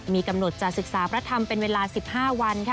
มีกำหนดจะศึกษาพระธรรมเป็นเวลา๑๕วัน